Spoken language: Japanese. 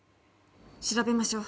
調べましょう。